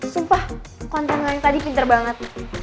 sumpah konten yang tadi pinter banget